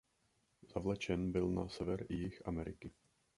Zavlečen byl i na sever i jih Ameriky.